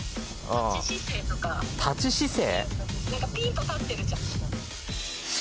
立ち姿勢？